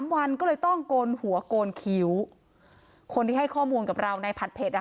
วันก็เลยต้องโกนหัวโกนคิ้วคนที่ให้ข้อมูลกับเราในผัดเผ็ดอ่ะ